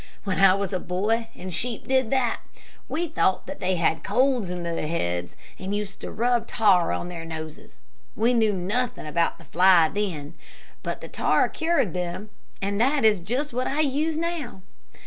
When I was a boy, and the sheep did that, we thought that they had colds in their heads, and used to rub tar on their noses. We knew nothing about the fly then, but the tar cured them, and is just what I use now.